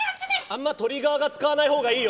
あんま、鳥側が使わない方がいい。